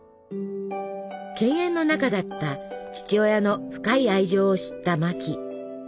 犬猿の仲だった父親の深い愛情を知ったマキ。